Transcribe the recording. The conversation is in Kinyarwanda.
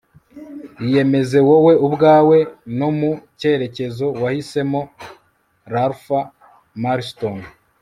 iyemeze wowe ubwawe no mu cyerekezo wahisemo. - ralph marston